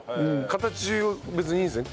形は別にいいんですね？